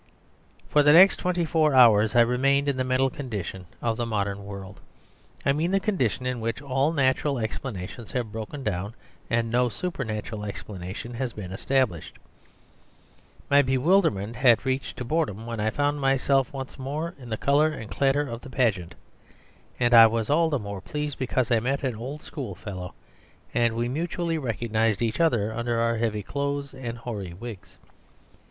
For the next twenty four hours I remained in the mental condition of the modern world. I mean the condition in which all natural explanations have broken down and no supernatural explanation has been established. My bewilderment had reached to boredom when I found myself once more in the colour and clatter of the pageant, and I was all the more pleased because I met an old school fellow, and we mutually recognised each other under our heavy clothes and hoary wigs.